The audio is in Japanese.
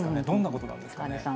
どんなことなんですかね。